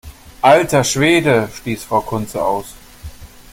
Alter Schwede!, stieß Frau Kunze aus.